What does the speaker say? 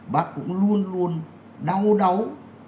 bác cũng luôn luôn đau đáu